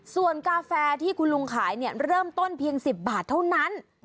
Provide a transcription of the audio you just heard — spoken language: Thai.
ส่วนกาแฟที่คุณลุงขายเริ่มต้นเพียง๑๐บาทเท่านั้น